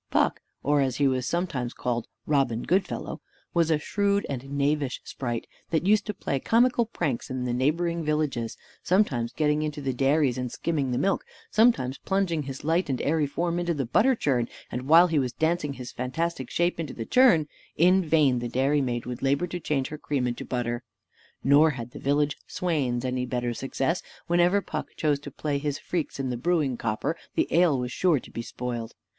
Puck (or as he was sometimes called, Robin Goodfellow) was a shrewd and knavish sprite, that used to play comical pranks in the neighboring villages; sometimes getting into the dairies and skimming the milk, sometimes plunging his light and airy form into the butter churn, and while he was dancing his fantastic shape in the churn, in vain the dairy maid would labor to change her cream into butter: nor had the village swains any better success; whenever Puck chose to play his freaks in the brewing copper, the ale was sure to be spoiled.